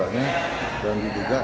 dan diduga terpatah keadaan